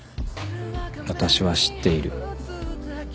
私は知ってゐる」